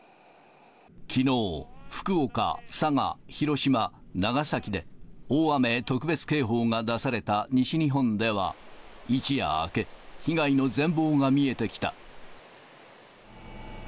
きのう、福岡、佐賀、広島、長崎で、大雨特別警報が出された西日本では一夜明け、被害の全貌が見えてきた。